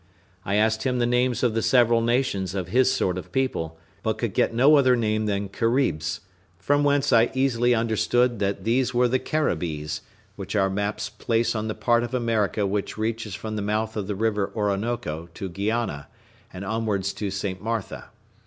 I asked him the names of the several nations of his sort of people, but could get no other name than Caribs; from whence I easily understood that these were the Caribbees, which our maps place on the part of America which reaches from the mouth of the river Orinoco to Guiana, and onwards to St. Martha.